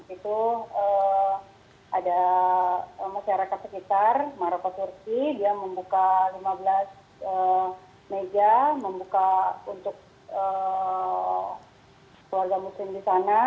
itu ada masyarakat sekitar maroko turki dia membuka lima belas meja membuka untuk keluarga muslim di sana